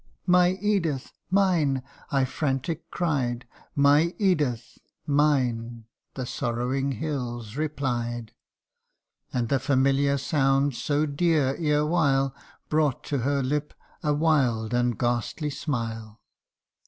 ' My Edith ! mine !' I frantic cried ;' My Edith ! mine !' the sorrowing hills replied ; CANTO I. 29 And the familiar sound so dear erewhile, Brought to her lip a wild and ghastly smile.